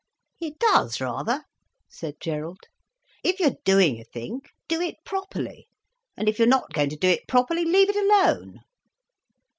"It does, rather," said Gerald. "If you're doing a thing, do it properly, and if you're not going to do it properly, leave it alone."